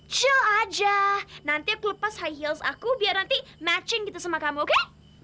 show aja nanti aku lepas high heels aku biar nanti matching gitu sama kamu kan